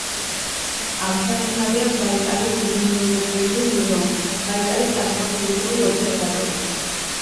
აღსანიშნავია ბაიკალის ლიმნოლოგიური მუზეუმი, ბაიკალის ასტროფიზიკური ობსერვატორია.